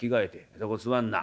そこ座んな。